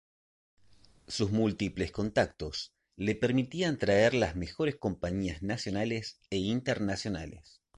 Sus múltiples contactos le permitían traer las mejores compañías nacionales e internacionales.